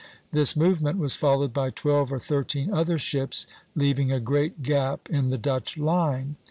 This movement was followed by twelve or thirteen other ships, leaving a great gap in the Dutch line.